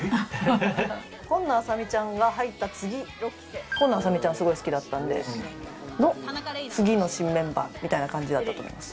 紺野あさ美ちゃんが入った次、紺野あさ美ちゃん、すごい好きだったんで、次の新メンバーみたいな感じだったと思います。